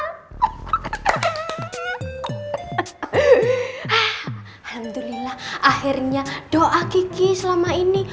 alhamdulillah akhirnya doa kiki selama ini